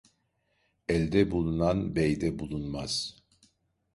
Elde bulunan beyde bulunmaz.